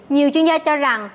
nhiều chuyên gia cho rằng